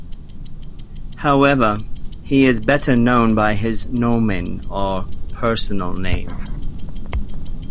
However, he is better known by his "nomen", or personal name.